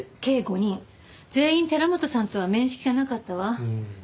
全員寺本さんとは面識がなかったわ。